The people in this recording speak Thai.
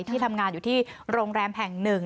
ที่ทำงานอยู่ที่โรงแรมแห่ง๑